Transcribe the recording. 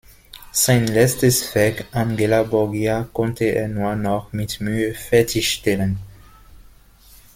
Sein letztes Werk "Angela Borgia" konnte er nur noch mit Mühe fertigstellen.